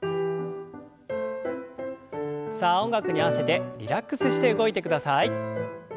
さあ音楽に合わせてリラックスして動いてください。